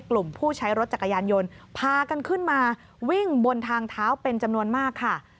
ขึ้นมาวิ่งบนทางเท้าเป็นจำนวนมากค่ะ